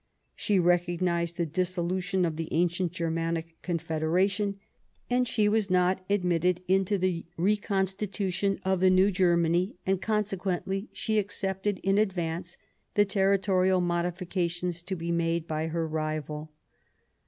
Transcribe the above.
She recog nized the dissolution of the ancient Germanic Confederation ; she was not admitted into the reconstitution of the new Germany, and conse quently she accepted in advance the territorial modifications to be made by her rival.